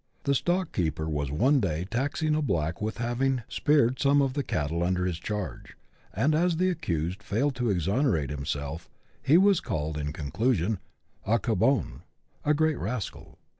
The stock keeper was one day taxing a black with having speared some of the cattle under his charge, and as the accused failed to exonerate himself, he was called, in conclusion, a " cabonn " (i. e. great) rascal.